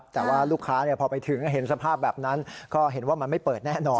แต่ว่าลูกค้าพอไปถึงเห็นสภาพแบบนั้นก็เห็นว่ามันไม่เปิดแน่นอน